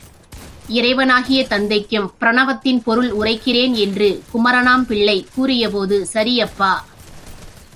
இறைவனாகிய தந்தைக்கும் பிரணவத்தின் பொருள் உரைக்கிறேன் என்று குமரனாம் பிள்ளை.கூறியபொழுது, சரி அப்பா!